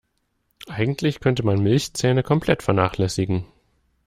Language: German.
Eigentlich könnte man Milchzähne komplett vernachlässigen.